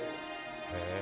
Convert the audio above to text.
へえ。